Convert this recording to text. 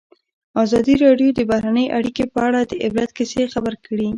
ازادي راډیو د بهرنۍ اړیکې په اړه د عبرت کیسې خبر کړي.